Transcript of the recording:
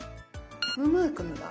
このマークのだ。